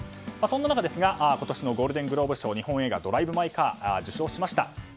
そんな中ですが今年のゴールデングローブ賞日本映画「ドライブ・マイ・カー」が受賞しました。